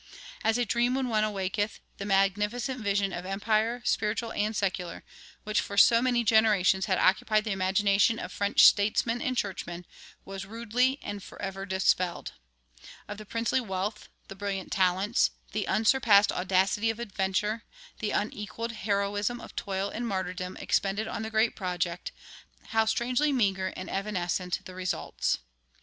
"As a dream when one awaketh," the magnificent vision of empire, spiritual and secular, which for so many generations had occupied the imagination of French statesmen and churchmen, was rudely and forever dispelled. Of the princely wealth, the brilliant talents, the unsurpassed audacity of adventure, the unequaled heroism of toil and martyrdom expended on the great project, how strangely meager and evanescent the results!